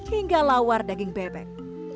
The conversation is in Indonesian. hingga lawar daging bebek